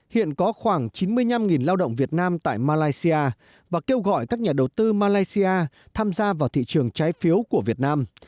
hiện có khoảng chín mươi năm lao động việt nam tại malaysia và kêu gọi các nhà đầu tư malaysia tham gia vào thị trường trái phiếu của việt nam